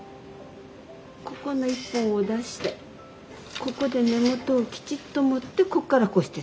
ここの一本を出してここで根元をきちっと持ってこっからこうして。